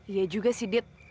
iya juga sih dit